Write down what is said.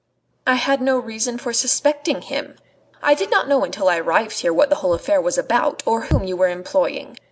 "I had no reason for suspecting him. I did not know until I arrived here what the whole affair was about, or whom you were employing.